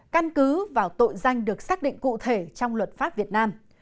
căn cứ vào tội danh được xác định cụ thể trong luật pháp việt nam